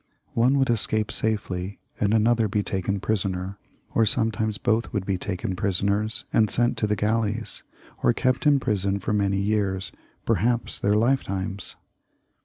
One would escape safely, and another be taken prisoner, or sometimes both would be taken prisoners and sent to the gaJleys, or kept in prison for many years, perhaps their lifetimes.